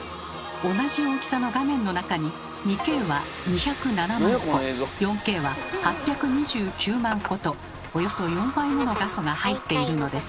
同じ大きさの画面の中に２Ｋは２０７万個４Ｋは８２９万個とおよそ４倍もの画素が入っているのです。